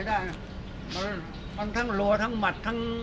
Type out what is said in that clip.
มันมันทั้งโระทั้งหมัดทั้ง